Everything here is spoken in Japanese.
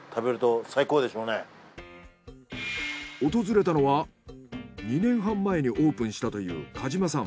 訪れたのは２年半前にオープンしたというかじまさん。